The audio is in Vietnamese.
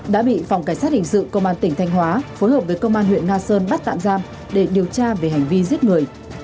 đã bị phòng cảnh sát hình sự công an tỉnh thanh hóa phối hợp với công an huyện nga sơn bắt tạm giam để điều tra về hành vi giết người